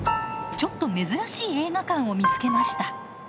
ちょっと珍しい映画館を見つけました。